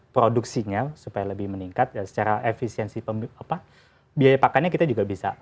produksinya supaya lebih meningkat secara efisiensi biaya pakannya kita juga bisa